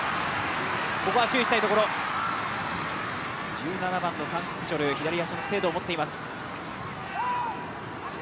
１７番のカン・ククチョル、左足に精度を持っています。